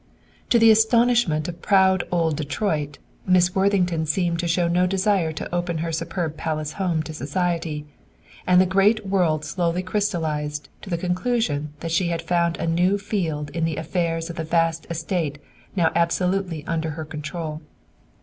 To the astonishment of proud old Detroit, Miss Worthington seemed to show no desire to open her superb palace home to society, and the great world slowly crystallized to the conclusion that she had found a new field in the affairs of the vast estate now absolutely under her own control.